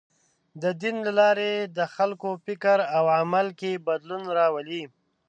د دین له لارې د خلکو فکر او عمل کې بدلون راولي.